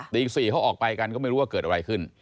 อีก๔เขาออกไปกันก็ไม่รู้ว่าเกิดอะไรขึ้น